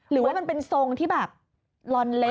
หรือว่ามันเป็นทรงที่แบบลอนเลน